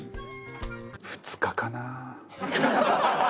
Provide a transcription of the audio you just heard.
２日かなぁ。